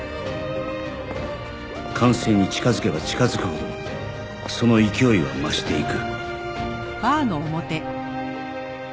完成に近づけば近づくほどその勢いは増していく